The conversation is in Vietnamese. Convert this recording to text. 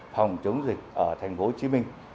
phòng chống dịch ở thành phố hồ chí minh